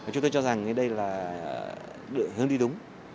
chúng tôi cho rằng đây là hướng đi đúng